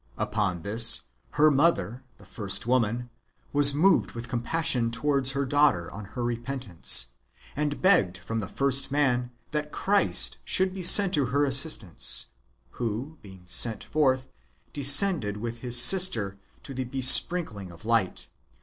Upon this, her mother, the first woman, was moved with compassion towards her daughter, on her repentance, and begged from the first man that Christ should be sent to her assistance, who, being sent forth, descended to his sister, and to the besprinkling of light.